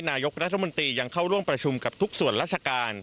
นายกรัฐมนตรียังเข้าร่วมประชุมกับทุกส่วนราชการ